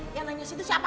eh yang nanya situ siapa